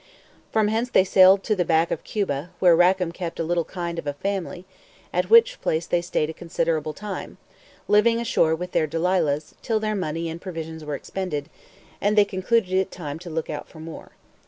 From hence they sailed to the back of Cuba, where Rackam kept a little kind of a family, at which place they stayed a considerable time, living ashore with their Delilahs, till their money and provisions were expended, and they concluded it time to look out for more.